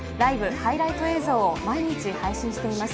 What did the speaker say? ハイライト映像を毎日配信しています。